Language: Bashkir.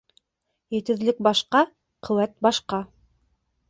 Етеҙлек башҡа, ҡеүәт башҡа.